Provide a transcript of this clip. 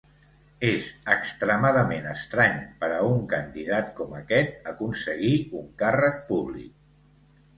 És extremadament estrany per a un candidat com aquest aconseguir un càrrec públic.